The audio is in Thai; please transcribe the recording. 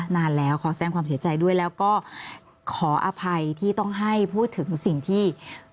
นานแล้วขอแสงความเสียใจด้วยแล้วก็ขออภัยที่ต้องให้พูดถึงสิ่งที่